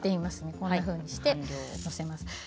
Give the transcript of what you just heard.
こんなふうに載せます。